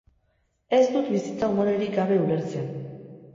Ez dut bizitza umorerik gabe ulertzen.